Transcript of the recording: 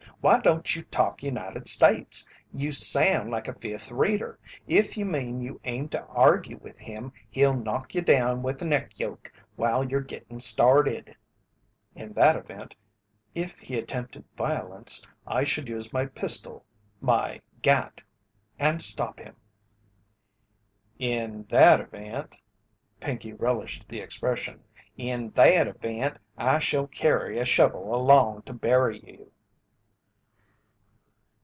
"Why don't you talk United States? You sound like a Fifth Reader. If you mean you aim to argue with him, he'll knock you down with a neck yoke while you're gittin' started." "In that event, if he attempted violence, I should use my pistol my 'gat' and stop him." "In that event," Pinkey relished the expression, "in that event I shall carry a shovel along to bury you."